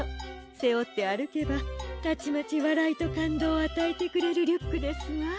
せおってあるけばたちまちわらいとかんどうをあたえてくれるリュックですわ。